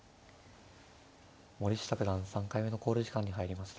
森下九段３回目の考慮時間に入りました。